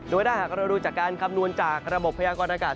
โดยถ้าหากเราดูจากการคำนวณจากระบบพยากรณากาศ